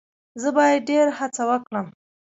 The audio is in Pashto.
زه باید ډیر هڅه وکړم.